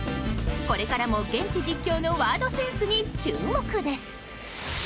これからも現地実況のワードセンスに注目です。